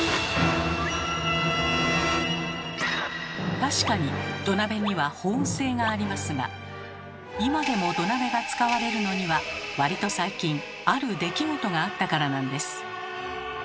確かに土鍋には保温性がありますが今でも土鍋が使われるのには割と最近ある出来事があったからなんです。